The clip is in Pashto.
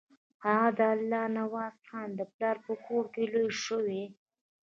هغه د الله نوازخان د پلار په کور کې لوی شوی.